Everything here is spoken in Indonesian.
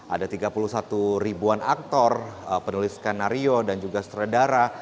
ada tiga puluh satu ribuan aktor penulis skenario dan juga sutradara